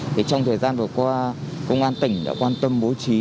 thì trong thời gian vừa qua công an tỉnh đã quan tâm bố trí